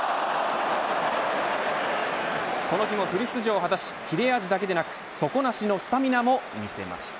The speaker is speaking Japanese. この日もフル出場を果たし切れ味だけでなく底無しのスタミナも見せました。